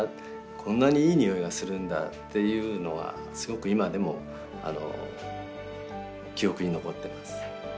こんなにいい匂いがするんだっていうのがすごく今でも記憶に残ってます。